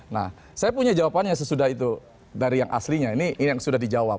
nah saya punya jawabannya sesudah itu dari yang aslinya ini yang sudah dijawab